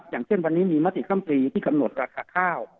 อย่างเช่นวันนี้มีมัธิคัมภีร์ที่ขำนวดราคาข้าว